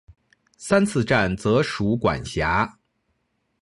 三次站则属管辖。